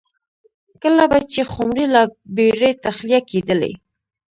کله به چې خُمرې له بېړۍ تخلیه کېدلې